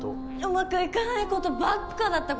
うまくいかないことばっかだった。